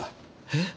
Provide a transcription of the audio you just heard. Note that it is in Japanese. えっ？